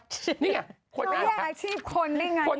นี่ไงคนอ่านค่ะเอาแย่อาชีพคนได้ไง